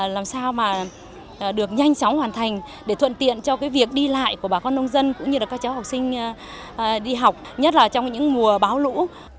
làm sao mà được nhanh chóng hoàn thành để thuận tiện cho cái việc đi lại của bà con nông dân cũng như là các cháu học sinh đi học nhất là trong những mùa báo lũ